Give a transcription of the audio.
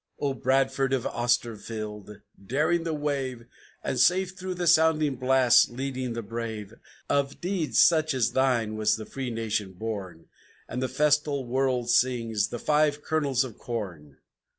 O Bradford of Austerfield, daring the wave, And safe through the sounding blasts leading the brave, Of deeds such as thine was the free nation born, And the festal world sings the "Five Kernels of Corn."